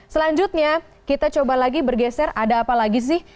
selanjutnya kita coba lagi bergeser ada apa lagi sih